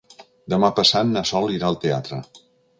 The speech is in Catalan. Demà passat na Sol irà al teatre.